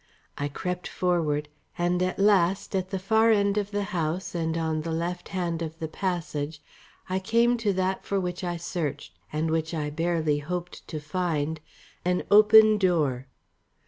I crept forward, and at last at the far end of the house and on the left hand of the passage I came to that for which I searched, and which I barely hoped to find an open door.